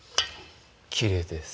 きれいです